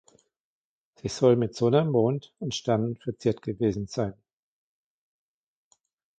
Sie soll mit Sonne, Mond und Sternen verziert gewesen sein.